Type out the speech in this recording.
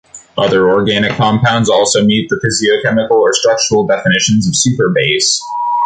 Other organic compounds also meet the physicochemical or structural definitions of 'superbase'.